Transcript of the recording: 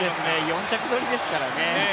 ４着取りですからね。